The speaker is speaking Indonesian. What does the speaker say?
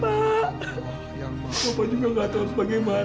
bapak juga gak tau bagaimana